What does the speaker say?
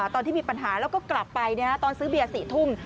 ตอนที่มีปัญหาแล้วก็กลับไปตอนซื้อเบียร์๔ทุ่ม